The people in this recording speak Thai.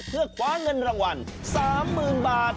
เพื่อคว้าเงินรางวัล๓๐๐๐บาท